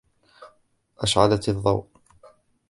أشعلَت الضوء.